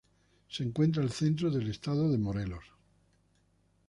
Se encuentra al centro del estado Morelos.